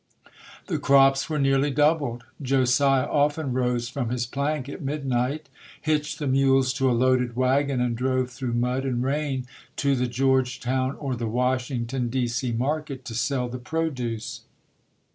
The crops were nearly doubled. Josiah often rose from his plank at midnight, hitched the mules to a loaded wagon and drove through mud and rain to the Georgetown or the Washington, D. C., market to sell the produce.